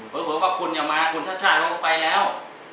เพราะว่าคุณอย่ามาคุณชาติชาติเราไปแล้ว